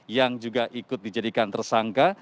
yang juga ikut dijadikan tersangka